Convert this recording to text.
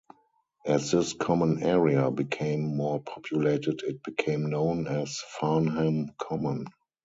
As this common area became more populated it became known as Farnham Common.